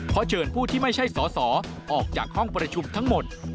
เพราะเชิญผู้ที่ไม่ใช่สอสอออกจากห้องประชุมทั้งหมด